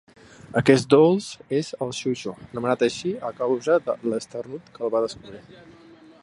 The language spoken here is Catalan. Aquest dolç és el xuixo, anomenat així a causa de l'esternut que el va descobrir.